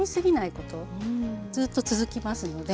ずっと続きますので。